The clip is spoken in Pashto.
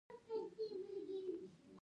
نړۍ په ښځو رنګينه ده